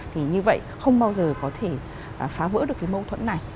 thì như vậy không bao giờ có thể phá vỡ được cái mâu thuẫn này